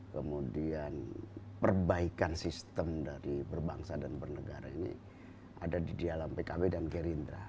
kemudian perbaikan sistem dari berbangsa dan bernegara ini ada di dalam pkb dan gerindra